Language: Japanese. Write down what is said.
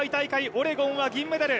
オレゴンは銀メダル。